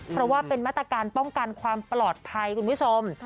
เพราะว่าเป็นมาตรการป้องกันความปลอดภัยคุณผู้ชม